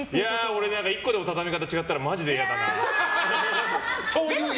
俺、１個でも畳み方違ったらマジで嫌だな。